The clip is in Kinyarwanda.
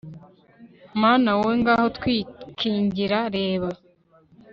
mana, wowe ngabo twikingira, reba